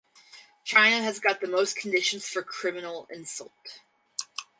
China has got the most conditions for criminal insult.